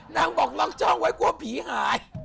นางบอกลองจ้องไว้กลัวผีหาย